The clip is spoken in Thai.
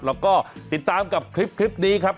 แล้วก็ติดตามกับคลิปนี้ครับ